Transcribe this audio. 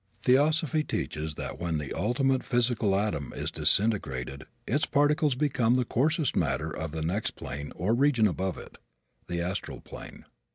Theosophy teaches that when the ultimate physical atom is disintegrated its particles become the coarsest matter of the next plane or region above it the astral plane.